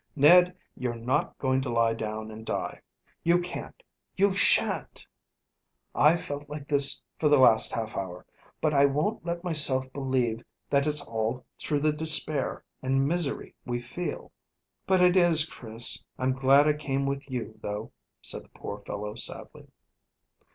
Ned, you're not going to lie down and die. You can't you shan't. I've felt like this for the last half hour, but I won't let myself believe that it's all through the despair and misery we feel." "But it is, Chris. I'm glad I came with you, though," said the poor fellow sadly.